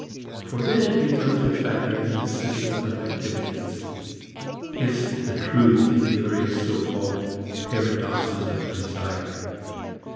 For then it becomes a factor in the system of activities. Hence the truth in the various so called paradoxes of desire.